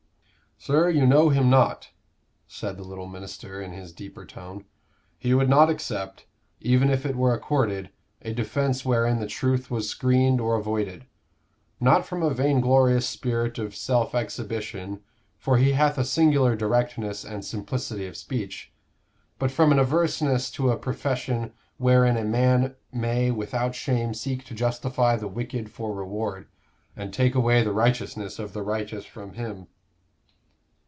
"Sir, you know him not," said the little minister, in his deeper tone. "He would not accept, even if it were accorded, a defense wherein the truth was screened or avoided, not from a vainglorious spirit of self exhibition, for he hath a singular directness and simplicity of speech; but from an averseness to a profession wherein a man may without shame seek to justify the wicked for reward, and take away the righteousness of the righteous from him."